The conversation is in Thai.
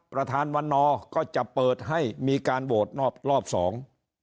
ประธานวันนอร์ก็จะเปิดให้มีการโหวตรอบรอบสอง